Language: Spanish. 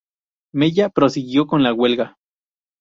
Mella prosiguió con la huelga.